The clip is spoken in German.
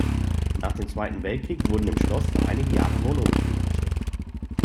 Nach dem Zweiten Weltkrieg wurden im Schloss für einige Jahre Wohnungen eingerichtet.